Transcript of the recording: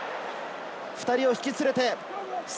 ２人を引き連れて。